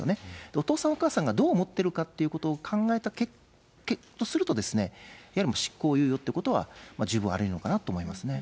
お父さん、お母さんがどう思ってるかってことを考えたとすると、やはり執行猶予ということは、十分ありえるのかなと思いますね。